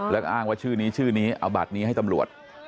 แล้วก็อ้างว่าชื่อนี้ชื่อนี้เอาบัตรนี้ให้ตำรวจ